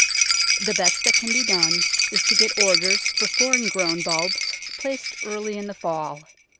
The best that can be done is to get orders for foreign grown bulbs placed early in the fall.